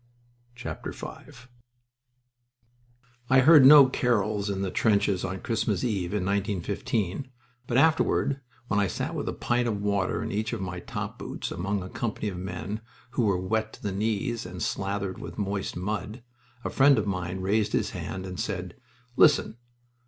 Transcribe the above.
V I heard no carols in the trenches on Christmas Eve in 1915, but afterward, when I sat with a pint of water in each of my top boots, among a company of men who were wet to the knees and slathered with moist mud, a friend of mine raised his hand and said, "Listen!"